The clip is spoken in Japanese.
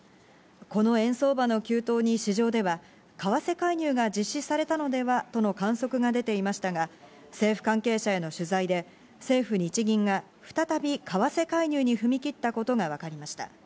この円相場の急騰に市場では為替介入が実施されたのではとの観測が出ていましたが、政府関係者への取材で政府・日銀が再び、為替介入に踏み切ったことがわかりました。